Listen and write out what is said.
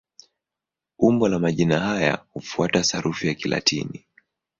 Umbo la majina haya hufuata sarufi ya Kilatini.